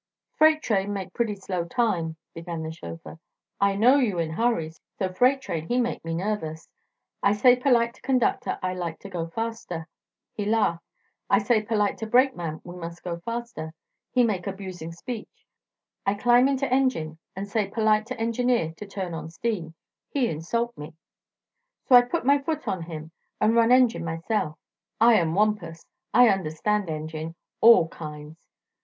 "Freight train make pretty slow time," began the chauffeur. "I know you in hurry, so freight train he make me nervous. I say polite to conductor I like to go faster. He laugh. I say polite to brakeman we must go faster. He make abusing speech. I climb into engine an' say polite to engineer to turn on steam. He insult me. So I put my foot on him an' run engine myself. I am Wampus. I understan' engine all kinds.